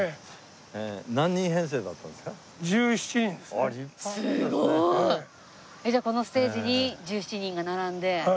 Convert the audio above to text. すごい！じゃあこのステージに１７人が並んで。